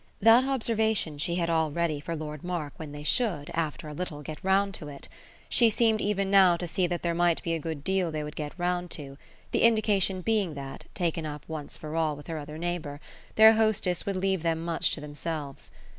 That observation she had all ready for Lord Mark when they should, after a little, get round to it. She seemed even now to see that there might be a good deal they would get round to; the indication being that, taken up once for all with her other neighbour, their hostess would leave them much to themselves.